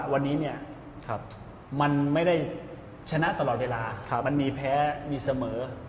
วันนี้มันไม่ได้ชนะตลอดเวลามันมีแพ้มีเสมอ